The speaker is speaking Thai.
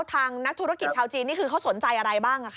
ทางนักธุรกิจชาวจีนนี่คือเขาสนใจอะไรบ้าง